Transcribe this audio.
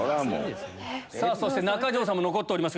そして中条さんも残っております